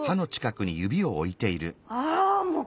あもう！